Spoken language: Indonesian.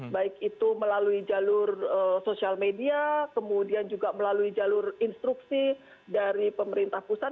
baik itu melalui jalur sosial media kemudian juga melalui jalur instruksi dari pemerintah pusat